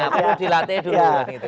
perlu dilatih dulu